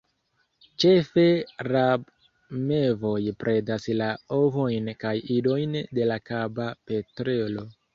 Ĉefe rabmevoj predas la ovojn kaj idojn de la Kaba petrelo.